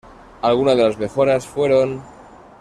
Algunas de las mejoras fueron.